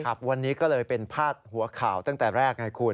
วันนี้ก็เลยเป็นพาดหัวข่าวตั้งแต่แรกไงคุณ